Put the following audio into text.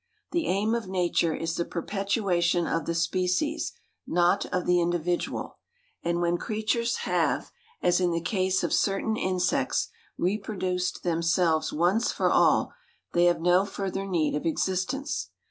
The aim of nature is the perpetuation of the species, not of the individual, and when creatures have, as in the case of certain insects, reproduced themselves once for all, they have no further need of existence.